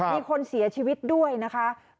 มีคนเสียชีวิตด้วยนะคะ